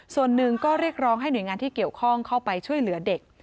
ส่วนหนึ่งก็เรียกร้องให้หน่วยงานที่เกี่ยวข้องเข้าไปช่วยเหลือเด็ก